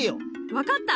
分かった！